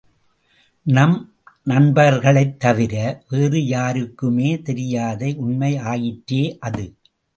நம் நண்பர்களைத் தவிர வேறு யாருக்குமே தெரியாத உண்மை ஆயிற்றே அது?